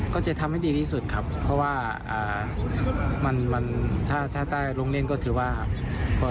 ก็จะทำให้ดีที่สุดครับเพราะว่ามันถ้าใต้ลงเล่นก็ถือว่า